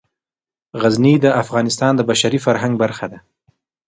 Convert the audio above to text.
غزني د افغانستان د بشري فرهنګ برخه ده.